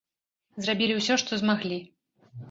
Зрабілі ўсё, што змаглі.